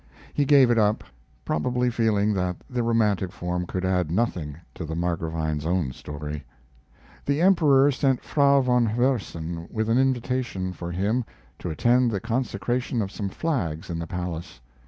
He gave it up, probably feeling that the romantic form could add nothing to the Margravine's own story.] The Emperor sent Frau von Versen with an invitation for him to attend the consecration of some flags in the palace.